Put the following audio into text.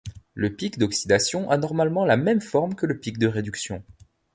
Le pic d'oxydation a normalement la même forme que le pic de réduction.